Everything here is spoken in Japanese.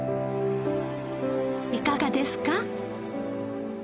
いかがですか？